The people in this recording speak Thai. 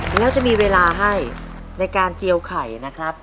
แล้วจะมีเวลาให้ในการเจียวไข่นะครับ